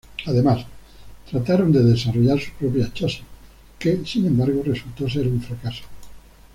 Además, trataron de desarrollar su propio chasis, que, sin embargo, resultó ser un fracaso.